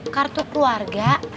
kartu keluar gak